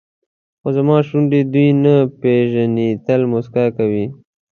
خو زما شونډې دوی نه پېژني تل موسکا کوي.